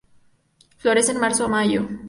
Florece de Marzo a Mayo.